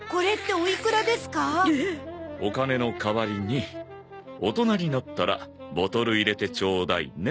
お金の代わりに大人になったらボトル入れてちょうだいね。